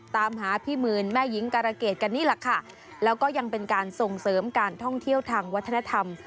ตามหาพี่หมื่นแม่หญิงการะเกดกันนี่แหละค่ะแล้วก็ยังเป็นการส่งเสริมการท่องเที่ยวทางวัฒนธรรม